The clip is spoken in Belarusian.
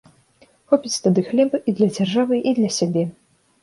Хопіць тады хлеба і для дзяржавы, і для сябе!